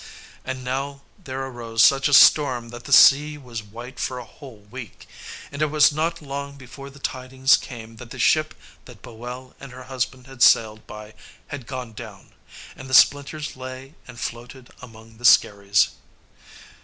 And now there arose such a storm that the sea was white for a whole week. And it was not long before the tidings came that the ship that Boel and her husband had sailed by had gone down, and the splinters lay and floated among the skerries.